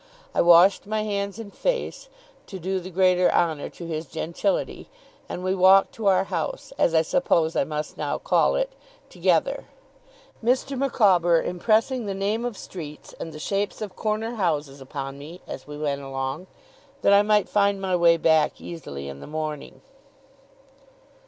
I washed my hands and face, to do the greater honour to his gentility, and we walked to our house, as I suppose I must now call it, together; Mr. Micawber impressing the name of streets, and the shapes of corner houses upon me, as we went along, that I might find my way back, easily, in the morning.